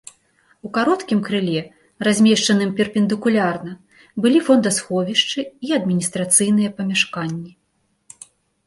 У кароткім крыле, размешчаным перпендыкулярна, былі фондасховішчы і адміністрацыйныя памяшканні.